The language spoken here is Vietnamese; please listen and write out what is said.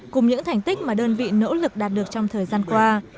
cùng những thành tích mà đơn vị nỗ lực đạt được trong thời gian qua